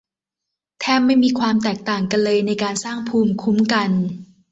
แทบไม่มีความแตกต่างกันเลยในการสร้างภูมิคุ้มกัน